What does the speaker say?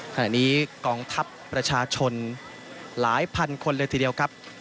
ขณะนี้กองทัพประชาชนหลายพันคนเลยทีเดียวครับ